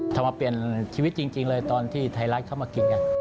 ถ้ามาเปลี่ยนชีวิตจริงเลยตอนที่ไทยรัฐเข้ามากิน